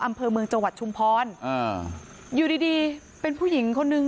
อำเภอเมืองจังหวัดชุมพรอ่าอยู่ดีดีเป็นผู้หญิงคนนึง